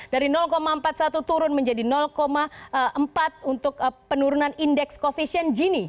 dari empat puluh satu turun menjadi empat untuk penurunan indeks koefisien gini